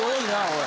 おい。